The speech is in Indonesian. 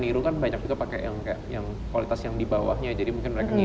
dulunya tuh sama sekali enggak pernah